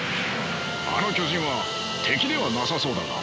あの巨人は敵ではなさそうだが。